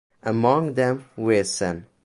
Among them were Sen.